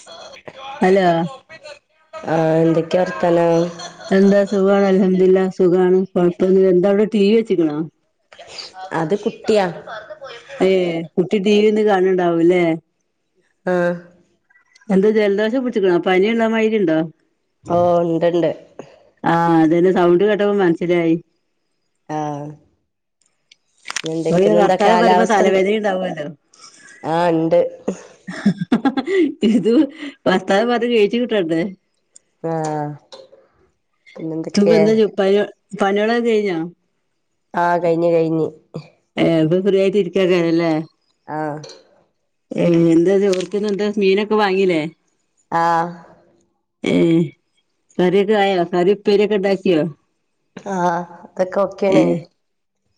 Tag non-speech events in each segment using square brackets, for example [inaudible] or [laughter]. [inaudible] Hello ആഹ് എന്തൊക്കെയാ വർത്താനം എന്താ സുഖമാണ് അലഹമ്മദില്ല സുഖമാണ് കൊഴപ്പൊന്നില്ല എന്താ അവിടെ ടി വി വെച്ചിക്കണോ അത് കുട്ടിയാ ഏ കുട്ടി ടി വി ഇരുന്ന് കാണണ്ടാവുയില്ലേ ആഹ് എന്താ ജലദോഷം പിടിച്ചിണോ പനിയുണ്ടോമാതിരി ഇണ്ടോ ഓ ഉണ്ട് ഉണ്ട് ആഹ് അത് തന്നെ സൗണ്ട് കേട്ടപ്പോ മനസ്സിലായി ആഹ് ഒരു എന്തൊക്കുന്ന എന്താ വർത്താനം പറയുമ്പോ കാലാവസ്ഥ എന്താ തലവേദന ഉണ്ടാവുമല്ലോ ആഹ് ഉണ്ട് ഇത് ഭർത്താവ് പറഞ്ഞ കഴി [unintelligible] ച്ചു കിട്ടണ്ടേ ആഹ് ഇപ്പ പിന്നെന്തൊക്കെ എന്താ പ പണികളൊക്കെ കഴിഞ്ഞോ ആഹ് കഴിഞ് കഴിഞ് ഏ ഇപ്പ ഫ്രീയായിട്ട് ഇരിക്കുവായിരിക്കുല്ലേ ആഹ് ഏ എന്താ ചോറിന് എന്താ മീനൊക്കെ വാങ്ങീല്ലേ ആഹ് ഏ കറിയൊക്കെ ആയോ കറി ഉപ്പേരിയൊക്കെ ഒണ്ടാക്കിയോ ആഹ് അതൊക്കെ ഓക്കെയാണ് ഏഹ്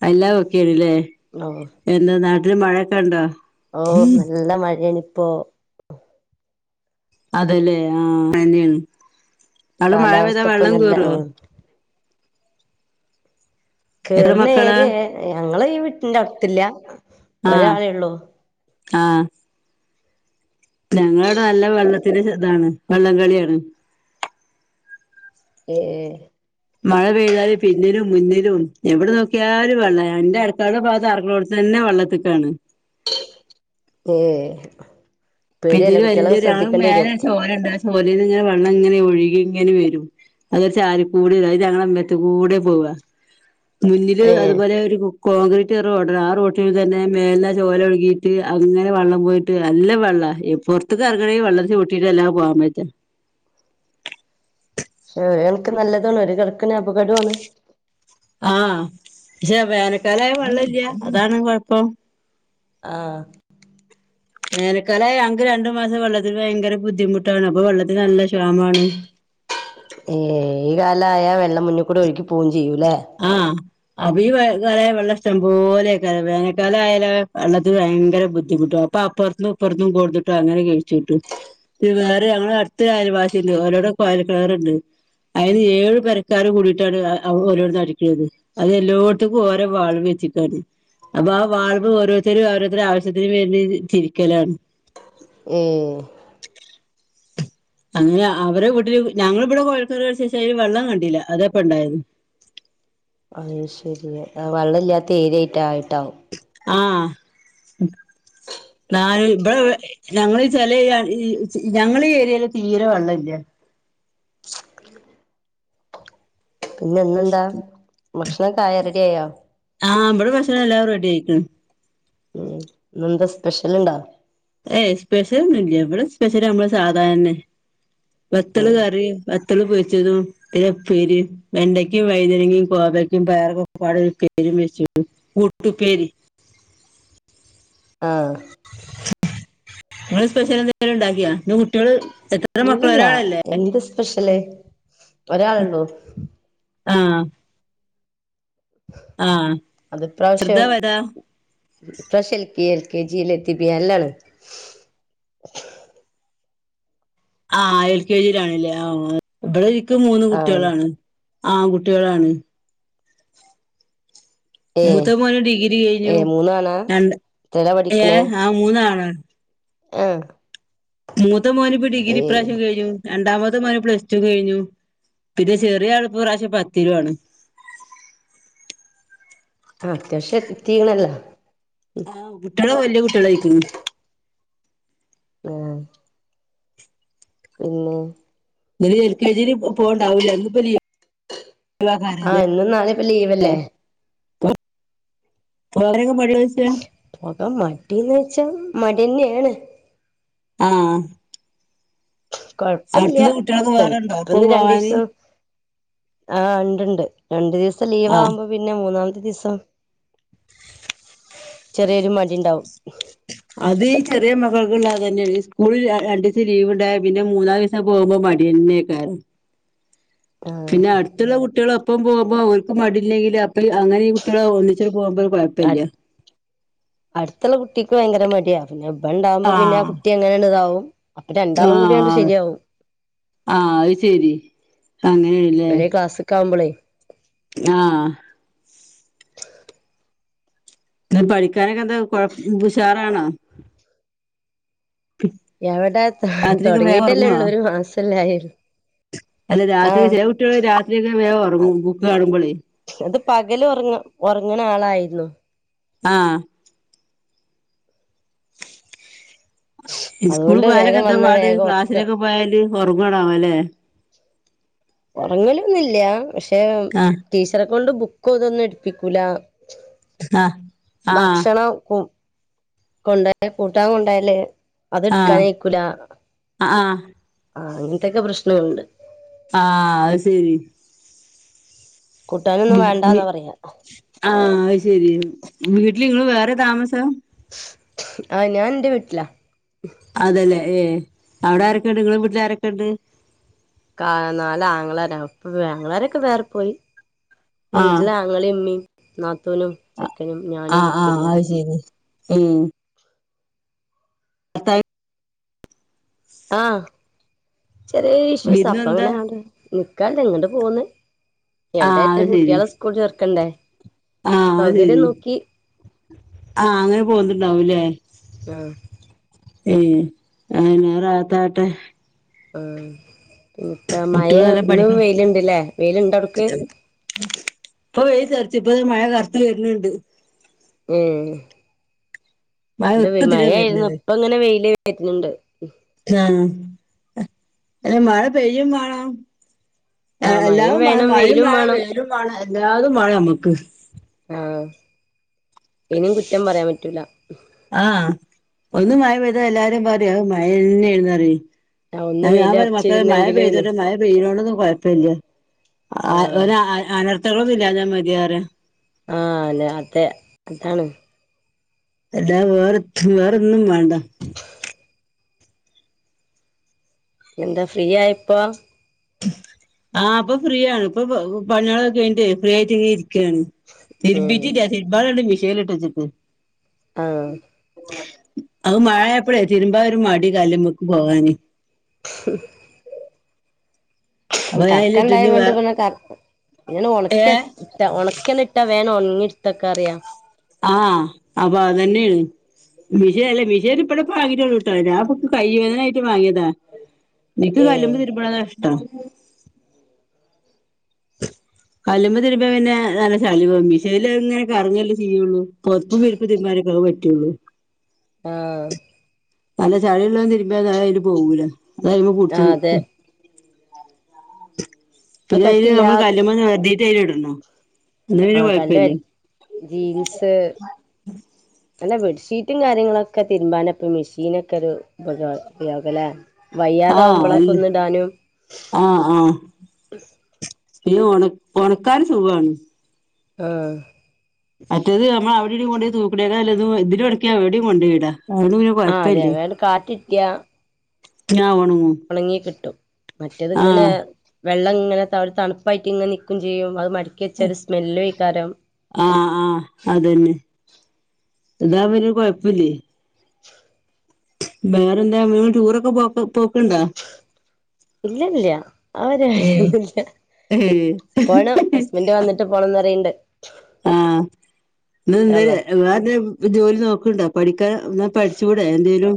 എല്ലാം ഒക്കെയാണ്ല്ലേ ഓ [unintelligible] എന്താ നാട്ടില് മഴയൊക്കെ ഒണ്ടോ ഓഹ് നല്ല മഴയാണ് ഇപ്പൊ അതല്ലേ ആഹ് മഴയാണ് അവിടെ മഴ കാലാവസ്ഥ പെയ്താൽ ഇപ്പൊ വെള്ളം നല്ല കേയറുവോ ഉം എത്ര കേറുന്ന മക്കളാ ഏരിയാ ഞങ്ങള് ഈ വീട്ടിന്റെ അടത്തില്ല ആഹ് ആഹ് ഞങ്ങടെ ഇവിടെ നല്ല വെള്ളത്തിന്റെ ഇതാണ് വള്ളംകളിയാണ് ഏയ് മഴ പെയ്താല് പിന്നിലും മുന്നിലും എവിടെ നോക്കിയാലും വെള്ളയാണ് എന്റെ അടുക്കളെടെ ഭാഗത്ത് ആക്ക- തന്നെ വെള്ളത്തിക്കാണ് ഏയ് പിന്നില് വല്യ ഒരാള് മേലെ വരും ചോലയുണ്ട് ആ ചോലെന്ന് ഇങ്ങനെ വെള്ളം ഇങ്ങനെ ഒഴുകി ഇങ്ങനെ വരും അത് ചാലിക്കൂടെ അതായത് ഞങ്ങളുടെ അമ്പത്തികൂടെ പോവ മുന്നില് ഏഹ് അതുപോലെ ഒരു- കോൺക്രീറ്റ് റോഡാ ആ റോഡിൽ തന്നെ മേലെ ചോല ഒഴുകിട്ട് അങ്ങനെ വെള്ളം പോയിട്ട് നല്ല വെള്ളവാ ഈ പൊറത്തേക്ക് എറങ്ങണമെങ്ക വെള്ളം ചവിട്ടിട്ട് അല്ലാതെ പോകാൻ പറ്റാ- ക [unintelligible] ക്ക് നല്ലതാണ് ഒരു കണക്കിന് അപകടമാണ് ആഹ് പക്ഷെ വേനക്കാലായ വെള്ളില്ല അതാണ് കൊഴപ്പം ആഹ് വേനക്കാലായ ഞങ്ങക്ക് രണ്ടു മാസം വെള്ളത്തിൽ ഭയങ്കര ബുദ്ധിമുട്ടാണ് അപ്പൊ വെള്ളത്തിൽ നല്ല ക്ഷാമാണ് ഏ ഈ കാ [unintelligible] ല ആയാ വെള്ളം മുന്നിൽ കൂടെ ഒഴുക്കി പോവയും ചെയ്യൂല്ലേ ആഹ് അപ്പൊ ഈ ക [unintelligible] ള വെള്ള ഇഷ്ടം പോലെയ വേനൽക്കാലായ വെള്ളത്തിൽ ഭയങ്കര ബുദ്ധിമുട്ടും- ഇപ്പൊ അപ്പറത്തുന്നും ഇപ്പുറത്തുന്നും കൊടുത്തിട്ടും അങ്ങനെ കഴിച്ചിവിട്ട് - വേറെ ഞങ്ങളെ അടുത്ത് ഒരു അയൽവാസിയുണ്ട് ഓരോടെ കൊഴൽ കെണറുണ്ട് അതിന് ഏഴ് പെരക്കാർ കൂടിയിട്ടാണ് ഓരോരുത്ത - അതെല്ലോത്തും ഓരോ വാൾവ് വെചെക്കാണ് അപ്പൊ ആ വാൾവ് ഓരോത്തരും അവരോരുടെ ആവശ്യത്തിനന് വേണ്ടി തിരിക്കലാണ് ഏ അങ്ങനെ അവരുടെ വീട്ടില്. ഞങ്ങ ഇവിടെ കൊഴ [unintelligible] ശേഷം വെള്ളം കണ്ടില്ല. അതെപ്പ ഉണ്ടായത്. അയ് ശരിയ. വെള്ളം ഇല്ലാത്ത ഏരിയായിട്ട ആയിട്ടാവും. ആഹ [unintelligible] ഞങ്ങള് ചെല ഈ ച് ഞങ്ങള് ഈ ഏരിയയില് തീരെ വെള്ളം ഇല്ല. [inaudible] [unintelligible] പിന്നെന്താ ഭക്ഷണംക ആയ. റെഡിയ ആയോ? ആഹ് ഇമ്മടെ ഭഷണം എല്ലാവും റെഡി ആയിട്ടും. ഉം ഇന്നെന്താ സ്പെഷ്യല്ണ്ടാ. ഏയ് സ്പെഷ്യൽ ഒന്നുമില്ല ഇവിടെ സ്പെഷ്യല് നമ്മള് സാധാരണെ വത്തള് ഉം കറി - [unintelligible] ഒര് ഉപ്പേരിം, വെണ്ടയ്ക്കും വൈതന്നങേമം കോവയ്ക്കും പയർക്ക പാടെ ഒരുപ്പേരി വെച്ചു. കൂട്ടുപേരി. ആഹ നിങ്ങള് സ്പെഷ്യൽ എന്തെങ്കിലും ഉണ്ടാക്കിയ. പിന്നെ കുട്ടികള് എത്ര മക്കള് ഇല്ലല്ല. ഒരാളല്ലേ എന്ത് സ്പെഷ്യല് ഒരാള് ഉള്ളൂ. ആഹ ആഹ് അത് പ്രാശ്യം ചെറുതാ വലുതാ ഇപ്രാവശ്യം L K, L K G ല്ലെത്തി. [unintelligible] ആഹ എൽ കെ ജിയിലാണല്ലേ ആ ഓ. ഇവിടെ ഇക്ക് മൂന്ന് ആഹ് കുട്ടികളാണ് ആൺകുട്ടികളാണ്. ഏ മൂത്തമോനു ഡിഗ്രി ഏ കഴിഞ്ഞു. മൂന്നാണാ രണ്ട് എത്രയിലാ ഏ ആ മൂന്നാണ്. ആഹ മൂത്ത മോനിപ്പ ഡിഗി ഈ പ്രാവശ്യം കഴിഞ്ഞു. രണ്ടാമത് മോനു പ്ലസ് ടു കഴിഞ്ഞു. പിന്നെ ചെറിയ ആളപ്പ ഈ പ്രാവശ്യം പത്തിലാണ്. ആ അത്യാവശ്യം എതീണല്ല. ആഹ് കുട്ടികള് വല്യ കുട്ടികള ആയിരിക്കണ്. ഉം പിന്നെ [unintelligible] എൽ കെ ജിൽ പോവണ്ടാവൂല്ല ഇന്നിപ്പ ലി [unintelligible] ക്കാനാല്ലേ. ആഹ് ഇന്നും നാള ഇപ്പ ലീവല്ലേ. [unintelligible] പോക മടിയന്ന് വെച്ചാ മടിയന്നേണ്. ആഹ്. കൊഴപുല്ല്യ. കുട്ടികൾക്ക് വേറെണ്ടോ ഇപ്പൊ ചിലപ്പന്ന് രണ്ട പോവാന് ദിവസം. ആഹ് ഇണ്ടണ്ട്. രണ്ടു ദിവസം ലീവ് ആ ആവുമ്പോ, പിന്നെ മൂന്നാമത്തെ ദിവസം ചെറിയൊരു മടി ഉണ്ടാവും. അത് ഈ ചെറിയ മക്കൾക്ക ഉള്ളാെതന്നെയേണ്. ഈ സ്കൂള രണ്ട ദിവസം ലീവ് ഉണ്ടായ പിന്നെ മൂന്നാം സം പോകുമ്പ മടിയന്നെക്കാരം. ആഹ് പിന്നെ അടുത്തുള്ള കുട്ടികള ഒപ്പം പോകുമ്പോ, അവർക്ക് മടില്ലെങ്കില് അപ്പ അങ്ങനെ ഈ കുട്ടികള ഒന്നിചു പോകുമ്പോ, കുഴപ്പല്ല അടുത് അടുത്തുള്ള കുട്ടിക്ക് ഭയങ്കര മടിയാ. പിന്നെ ഇവൻ ഇണ്ടാവുമ്പോ പിന്നെ ആ ആഹ് ക്കു എങ്ങനെയണ്ട് ഇതാവും അപ്പൊ രണ്ടാളും കൂടിയണ്ട് ശരിയാവും. ആഹ അത് ശെരി. അങ്ങനെണല്ലേ. കാവുമ്പോളെ, ആഹ ക്ക പഠിക്കാനൊക്കെ എന്താ കൊഴ ഉഷാറാണാ? എവിടെ രാത്രിയൊക്കെ വേഗം തുടങ്ങിട്ടല്ലേ ഉറങ്ങുവോ ഉള്ളൂ. ഒരു മാസംല്ലേ ആയിള്ളൂ. അല്ല രാത്രി ചെല കുട്ടികള്, രാത്രിയൊക്കെ വേഗം ഒറങ്ങും ബുക്ക് കാണുമ്പോളേ. ഇത് പകല് ഉറങ്ങ ഉറങ്ങണ ആളായിരുന്നു. ആ ഇസ്കൂള് അതുകൊണ്ട് പോലൊക്കെ വേഗം എന്താ വന്നാ പാട്. വേഗം ഉറക്ക ക്ലാസ്സിലൊക്കെ പോയാല് ഉറങ്ങണം അല്ലേ. ഉറങ്ങലൊന്നില്ല. പക്ഷേ, കാർ ടീച്ചറെ കൊണ്ട് ബുക്ക് ഇതൊന്നും എടുപ്പിക്കൂല ആഹ് ആഹ് ഭക്ഷണം ഉ കൊണ്ടയെ കൂട്ടാ കൊണ്ടായാൽ അത് ആഹ് ഇട്ക്കാനഴക്കൂല ആഹ് ആഹ് ആഹ് അങ്ങനത്തൊക്കെ പ്രശ്നവുണ്ട് ആഹ് ആശെരി.. കൂട്ടാനൊന്നും ശരി വേണ്ടാന്നാ പറയകാ ആഹ് അത് ശെരി വീട്ടിൽ ഇങ്ങൾ വേറെ താമസവാ. ആഹ് ഞാൻ ഇന്റെ വീട്ടിലാ അതല്ലേ ഏഹ് അവിടെ ആരൊക്കെ ഉണ്ട് നിങ്ങളെ വീട്ടിൽ ആരൊക്കെ ഉണ്ട്? കാഹ് നാലാങ്ങളാര ഇപ്പൊഅങ്ങളരൊക്കെ വേറെ പോയി ആഹ് വീട്ടില ആങ്ങളീം ഇമ്മീം നാത്തൂനും ചെക്കനും ഞാനും കുട്ടിരുന്നുണ്ട്. ഏഹ്.. ഉം എന്തായ്.. ആഹ്. ചെറിയ ഇഷ്യൂസാ വിരുന്ന് അപ്പ വന്നതാ അങ്ങനെ ആഡ് നിക്കാണ്ട് എങ്ങോട്ട് പോന്ന്. ആഹ് എവിടെയായിട്ട് അത് ശെരി കുട്ടിയളെ സ്കൂൾ ചേർക്കണ്ടേ ആഹ് അത് സൗകര്യം ശെരി നോക്കി ആഹ് അങ്ങനെ പോന്നിണ്ടാവൂല്ലേ? ആ ഏഹ് അഹനെ റാഹത്താട്ടെ. ആഹ് പിന്നത്ത മഴ കുട്ടികള് നല്ലോം ഇന്ന് പഠിക്കണം വെയിൽണ്ട്ല്ലേ വെയില്ണ്ട് അവടക്ക്? ഇപ്പൊ വെയിതെർച്ചി ഇപ്പൊ മഴ കർത്ത് വര്ണ് ണ്ട്. ഉം. മഴ ഇന്റെ വ്വെ മഴ ഒട്ടുതിലെ ആയിരുന്നു വര്ണത് പ്പ ഇങ്ങനെ വെയില് വരുന്നുണ്ട്. ആഹ് ഹെ മഴ പെയ്യും വെണം ആ ഏഹ് മഴയും എല്ലാവും വാണം വേണം മഴും വെയിലും വേണം വെലും വേണം എല്ലാതും വേണം നമ്മക്ക്. ആഹ് ഇനിം കുറ്റം പറയാൻ പറ്റൂല. ആഹ് ഒന്ന് മഴ പെയ്താ എല്ലാരും പറിം അഹ് മഴ തന്നെ ഏർന്ന് പറിയും. ആ ഒന്ന് അഹ് ഞാൻ പറിം മക്കള മഴ വെയിലറച്ചിരുന്നെങ്കില്ന്ന് പെയ്തോണ്ടെ മഴ പെയോണ്ടൊന്നും കൊഴ പല്യ ആ ആഹ ഒര അഹ് ആഹ് അനർത്ഥങ്ങളൊന്നും ഇല്യഞാ മതിഅറ്യ ആഹ് അല്ലെ അതെ അതാണ്. എല്ലാ വേറെ ത്തുഹ് വേറൊന്നും വെണ്ട എന്താ ഫ്രീആയപ്പോ? ആഹ് പ്പ ഫ്രീ ആണ് ഇപ്പൊ പ്പഹ പണിയാൾ ഒക്കെ കയിട്ട് ഫ്രീ ആയിട്ട് ഇങ്ങനെ ഇരിക്കാണ്. ഉം തിര്ബീറ്റില്ല തിര്ബാളേ മിഷേൽ ഇട്ടച്ചിട്ട്ണ്ട്. ആഹ് അത് മഴ എപ്പഴേ തിരുമ്പാഒരു മടി കല്ല്മ്മക്ക് പോകാന് [unintelligible] ഹ് അപ്പൊ ഞാൻ അയിലിട്ടിട്ട് കർക്കണ്ടായകൊണ്ട് വേ പിന്നെ കർ ഇങ്ങെ ഒണക്ക ഏഹ് താ ഒണക്കിഒന്ന് ട്ട വേണോ ഒണങ്ങി ഇട്ത്തക്ക അറിയാ ആഹ് അപ്പ അതന്നെയാണ്. മിഷേ അല്ലേ മിഷേൻ ഇപ്പടെ വാങ്ങിട്ടോള്ളൂട്ടോ ഞാപ്പം കൈയേദന ആയിട്ട് വാങ്ങിയതാ. നിക്ക് ഏ കല്ലുമ്പേ തിരുമ്പണതാ ഇഷ്ടം കല്ലുമ്മേ തിരുമ്പ പിന്നെ നല്ല ചളി പോ മിശൽ ഇങ്ങനെ കറങ്ങല്ലേ ചെയ്യുള്ളൂ. പൊതപ്പും വിര്പ്പും തിരുമ്പാനൊക്കെ അഹ് പറ്റുള്ളൂ. ആഹ് നല്ല ചളിയുള്ളത് തിരുമ്പ അഹ് അതിന് പോകൂല അതയ്മ പുടിച്ച് ആഹ് അതെ നിക്കും. അത് പിന്നെ അതില് കട്ടില്ലാ നമ്മള് കല്ല്മ്മ ഇങ്ങനെ ഒര്തീട്ട് അതിൽ ഇടണം. എന്നാ പിന്നെ ആഹ് കല്ല കൊഴപ്പല്ല ജീൻസ്. അല്ല ബെഡ്ഷീറ്റും കാര്യങ്ങളും ഒക്കെ തിരുമ്പാനപ്പൊ മെഷീനൊക്കെ ഒരു അത [unintelligible] കലേ- ആഹ് അല്ല്. ആഹ് ആഹ് ഒണക് ഒണക്കാന് സുഖാണ് ആഹ് മറ്റത് ഞമ്മളവിടെടിം കൊണ്ടോയ് തൂക്ക്ണേലെ നല്ലത് ഇതിലൊണക്യാ എവിടിം കൊണ്ടെയ്ടാ അതോണ്ട് പിന്നെ ആഹ് അതെ കൊയപ്പല്യ അങ്ങട് കാറ്റിട്ടിയാ ഞ്ഞ [unintelligible] ഒണങ്ങി കിട്ടും മറ്റേത്ങ്ങനെ വെള്ളം ഇങ്ങനെ ഒരു തണുപ്പായിട്ട് നിക്കും ചെയ്യും അത് മടക്കി വെച്ച ഒരു സ്മെല്ലുവയിക്കാരം ആഹ് ആഹ് അതന്നെ ഇതാമ്പം കൊയപ്പല്ലേ [inaudible] ബേറെന്താ വീട് ടൂറൊക്കെ പോ പോക്ണ്ടോ ഇല്ല ഇല്ല ആ ഒരു കാര്യം ഏയ് ഒന്നും ഇല്ല ഏഹ് പോണം ഹസ്ബൻഡ് വന്നിട്ട് പോണംന്നറയിണ്ട് ആഹ് ഇത് നിന്ന്ലെ അള്ളാ വേറെന്തേലും ജോലി നോക്ക്ണ്ടോ പഠിക്കാൻ എന്നാ പഠിച്ചൂടെ എന്തേലും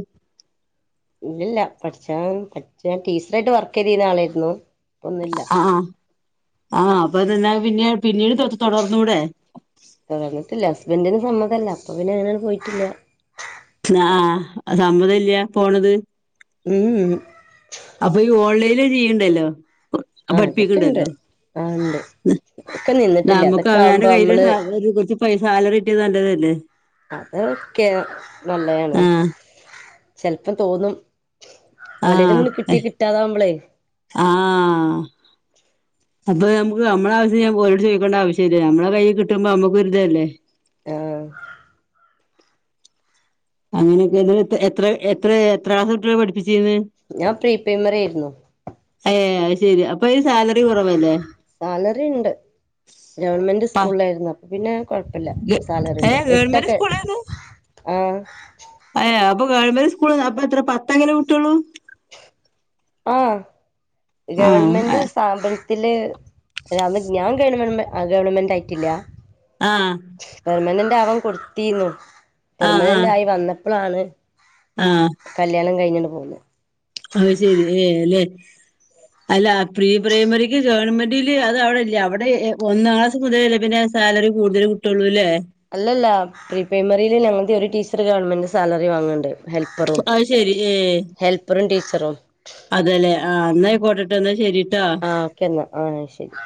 ഇല്ലല്ല പഠിച്ചാൻ പഠിച്ച ഞാൻ ടീച്ചറായിട്ട് വർക്ക് ചെയ്തീർന്ന ആളായിരുന്നു ഇപ്പൊന്നുല്ല ആഹ് അപ്പത് ന്നാ പിന്നെ പിന്നീട് തുടർന്നൂടെ തൊടർന്ന്ട്ടില്ല ഹസ്ബന്റിന് സമ്മതല്ല അപ്പൊ പിന്നെ അങ്ങനെയാണ്ട് പോയിട്ടില്ല ആഹ്‌ ആഹ്‌ സമ്മതല്യ പോണത് ഉംഉം അപ്പൊ ഈ ഓൺലൈനിൽ ചെയ്ണ്ടല്ലോ പഠിപ്പിക്കണ്ടല്ലോ ആഹ്‌ ഉണ്ട് ഒക്കെ നിന്ന് താ നമ്മക്ക് അവനാൻ്റെ കയ്യില് കൊറച്ച് പൈസ സാലറിട്യ നല്ലതല്ലെ അതൊക്കെ നല്ലതാണ് ആ ചെലപ്പം തോന്നും ആഹ് ഓലെക്കെന്ന് കിട്ടി കിട്ടാതാവുമ്പളേ ആഹ് അപ്പൊ ഞമ്മക്ക് ഞമ്മള ആവശ്യം ഓലോട് ചോയിക്കണ്ട ആവശ്യല്ല നമ്മള കൈയ് കിട്ടുമ്പോ ഞമ്മക്കൊര് ഇതല്ലെ ഏഹ് അങ്ങനൊക്കെ എ എത്ര എത്ര എത്രാ കുട്ടേളെ പഠിപ്പിച്ചിന്യ ഞാൻ പ്രീ പ്രൈമറിയാരുന്നു ഏഹ് അയ് ശരി അപ്പം ഇ സാലറി കുറവല്ലേ സാലറി ഉണ്ട് ഗവൺമെന്റ് പ സ്കൂളിലായിരുന്നു അപ്പൊ പിന്നെ കൊഴപ്പല്ല ഗ- ഏ സാലറിണ്ട് ഗവൺമെന്റ് എട്ടൊക്കെ ആഹ് ഏഹ് അപ്പൊ ഗവൺമെന്റ് സ്കൂള് അപ്പ എത്ര പത്തൊക്കല്ലെ കിട്ടൊള്ളു ആഹ് ആ ആ ഗവൺമെന്റ് സ്ഥാപൻ ത്തില് അന്ന് ഞാൻ ഗവൺമെൻ്റ് ഗവൺമെന്റ് ആയിട്ടില്ല ആഹ് പെർമനന്റ് ആവാൻ കൊട്ത്തീന്നു പെർമനൻ്റ് ആയി വന്നപ്പളാണ് ആഹ് കല്യാണം കയ്ഞ്ഞാണ്ട് പോന്നെ അത് ശരി ഏ ലെ അല്ല പ്രീ പ്രൈമറിക്ക് ഗവൺമെന്റില് അത് അവിടെല്ല അവിടെ ഒന്നാം ക്ലാസ് മുതലല്ലെ പിന്നെ സാലറി കൂട്തല് കിട്ടൊള്ളു അല്ലെ അല്ലല്ല പ്രീ പ്രൈമറില് ഞങ്ങളുടെ ഒരു ടീച്ചറ് ഗവൺമെന്റ് സാലറി വാങ്ണ്ട് ഹെൽപ്പറും അത് ശരി ഹെൽപ്പറും ടീച്ചറും അതെലെ ആ ന്നാ അയ്ക്കോട്ടട്ടൊ ന്നാ ശരിട്ടോ ആഒകെ ന്നാ ആ ന്നാ ശരി